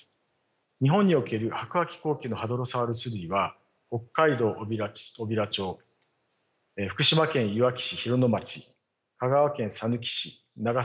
日本における白亜紀後期のハドロサウルス類は北海道小平町福島県いわき市広野町香川県さぬき市長崎県長崎市